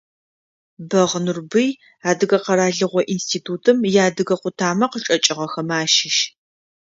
Бэгъ Нурбый, Адыгэ къэралыгъо институтым иадыгэ къутамэ къычӏэкӏыгъэхэмэ ащыщ.